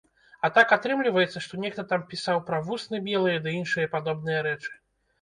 А так, атрымліваецца, што нехта там пісаў пра вусны белыя ды іншыя падобныя рэчы.